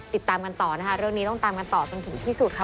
ติดตามกันต่อนะคะเรื่องนี้ต้องตามกันต่อจนถึงที่สุดค่ะ